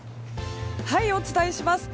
お伝えします。